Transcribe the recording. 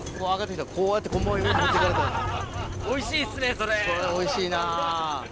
それおいしいなぁ。